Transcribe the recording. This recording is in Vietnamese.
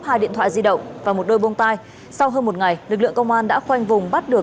hai điện thoại di động và một đôi bông tai sau hơn một ngày lực lượng công an đã khoanh vùng bắt được